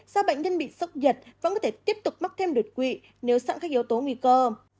do bệnh nhân bị sốc nhiệt vẫn có thể tiếp tục mắc thêm đột quỵ nếu sẵn các yếu tố nguy cơ